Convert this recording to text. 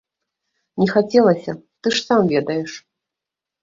Не хацелася, ты ж сам ведаеш.